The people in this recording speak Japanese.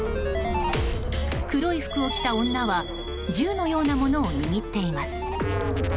黒い服を着た女は銃のようなものを握っています。